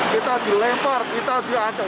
kita dilempar kita di ancol